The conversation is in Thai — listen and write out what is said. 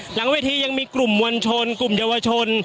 หลังเวทียังมีกลุ่มมวลชนกลุ่มเยาวชน